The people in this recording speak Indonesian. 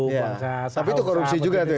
bangsa saham tapi itu korupsi juga tuh ya